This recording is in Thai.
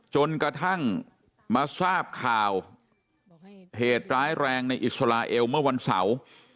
จนกระทั่งมาทราบข่าวเหตุร้ายแรงในอิสราเอลเมื่อวันเสาร์